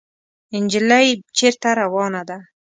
انجلۍ چېرته روانه ده ؟